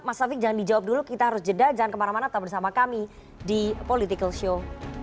mas taufik jangan dijawab dulu kita harus jeda jangan kemana mana tetap bersama kami di political show